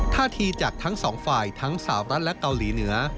ท่าทีจากทั้งสองฝ่ายทั้งสาวรัฐและเกาหลีเหนือ